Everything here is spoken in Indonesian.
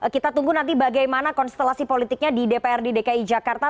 kita tunggu nanti bagaimana konstelasi politiknya di dprd dki jakarta